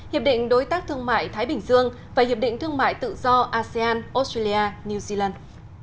hiệp định đối tác thương mại thái bình dương và hiệp định thương mại tự do asean australia new zealand